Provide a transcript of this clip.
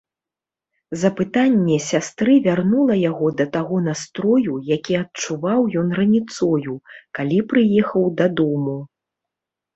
Запытанне сястры вярнула яго да таго настрою, які адчуваў ён раніцою, калі прыехаў дадому.